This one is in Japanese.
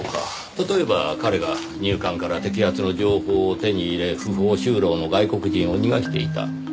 例えば彼が入管から摘発の情報を手に入れ不法就労の外国人を逃がしていた。